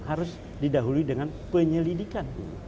harus didahului dengan penyelidikan